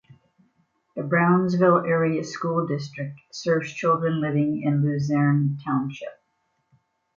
The Brownsville Area School District serves children living in Luzerne Township.